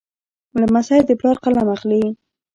لمسی د پلار قلم اخلي.